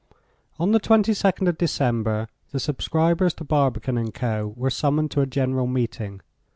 On the 22nd of December the subscribers to Barbicane & Co. were summoned to a general meeting.